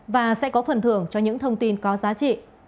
và sẽ có phần thưởng cho những thông tin có giá trị